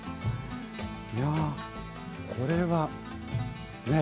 いやこれはねえ。